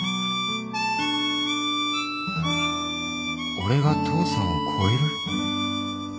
俺が父さんを超える？